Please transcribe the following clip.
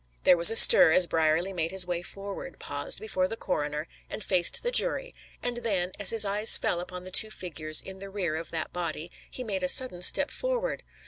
There was a stir as Brierly made his way forward, paused before the coroner and faced the jury; and then, as his eyes fell upon the two figures in the rear of that body he made a sudden step forward.